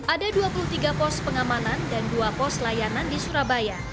ada dua puluh tiga pos pengamanan dan dua pos layanan di surabaya